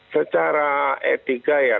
secara etika politik